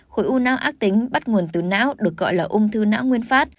khối u não ác tính bắt nguồn từ não được gọi là ung thư não nguyên phát